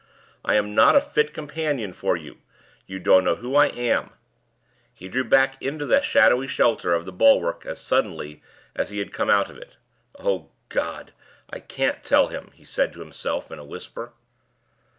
I am not a fit companion for you. You don't know who I am." He drew back into the shadowy shelter of the bulwark as suddenly as he had come out from it. "O God! I can't tell him," he said to himself, in a whisper.